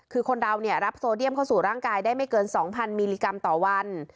คือคนเรารับโซเดียมเข้าสู่ร่างกายได้ไม่เกิน๒๐๐มิลลิกรัมต่อวัน